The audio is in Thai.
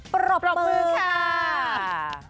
ปรบมือค่ะ